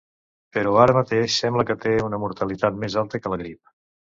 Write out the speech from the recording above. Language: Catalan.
Però ara mateix sembla que té una mortalitat més alta que la grip.